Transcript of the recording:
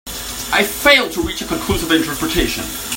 I failed to reach a conclusive interpretation.